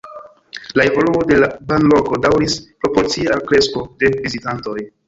La evoluo de la banloko daŭris proporcie al kresko de vizitantoj.